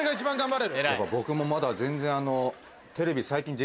僕もまだ全然あの。